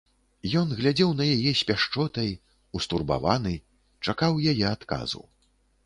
Ён глядзеў на яе з пяшчотай, устурбаваны, чакаў яе адказу.